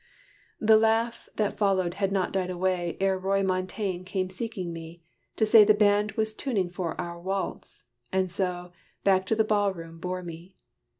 The laugh that followed had not died away Ere Roy Montaine came seeking me, to say The band was tuning for our waltz, and so Back to the ball room bore me.